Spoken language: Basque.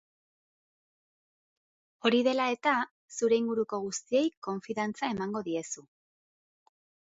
Hori dela eta, zure inguruko guztiei konfidantza emango diezu.